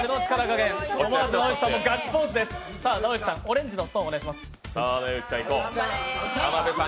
直幸さん、オレンジのストーンお願いします。